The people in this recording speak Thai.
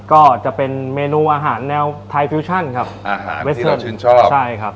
ก็จะเป็นเมนูอาหารแนวไทยฟิวชั่นครับอาหารเม็ดชื่นชอบใช่ครับ